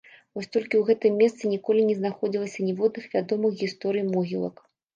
Вось толькі ў гэтым месцы ніколі не знаходзілася ніводных вядомых гісторыі могілак.